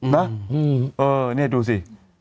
นะนี่ดูสิ